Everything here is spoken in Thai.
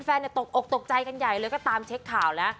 ตกอกตกใจกันใหญ่เลยก็ตามเช็คข่าวแล้ว